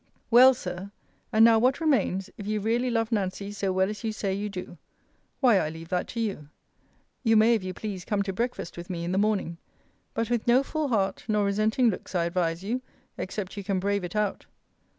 Well, Sir, and now what remains, if you really love Nancy so well as you say you do? Why, I leave that to you. You may, if you please, come to breakfast with me in the morning. But with no full heart, nor resenting looks, I advise you; except you can brave it out.